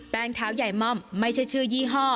งเท้าใหญ่ม่อมไม่ใช่ชื่อยี่ห้อ